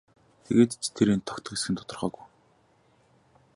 Тэгээд ч тэр энд тогтох эсэх нь тодорхойгүй.